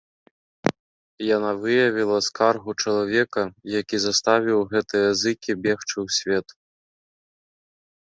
Яна выявіла скаргу чалавека, які заставіў гэтыя зыкі бегчы ў свет.